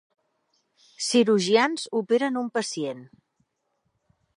Cirurgians operen un pacient.